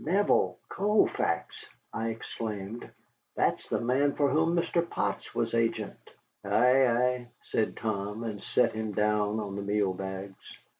"Neville Colfax!" I exclaimed, "that's the man for whom Mr. Potts was agent." "Ay, ay," said Tom, and sat him down on the meal bags.